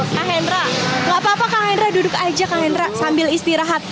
kang hendra gak apa apa kang hendra duduk aja sambil istirahat